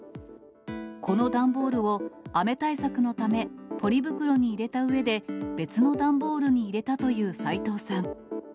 この段ボールを雨対策のため、ポリ袋に入れたうえで別の段ボールに入れたという斉藤さん。